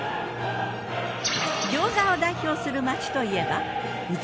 餃子を代表する街といえば。